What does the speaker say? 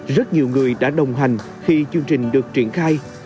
rất nhiều người đã đồng hành khi chương trình được triển khai